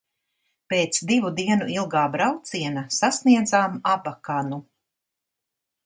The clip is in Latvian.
Pēc divu dienu ilgā brauciena sasniedzām Abakanu.